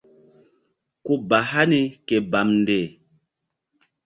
Ku ba hani ke bamnde.